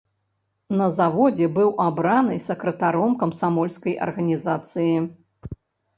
На заводзе быў абраны сакратаром камсамольскай арганізацыі.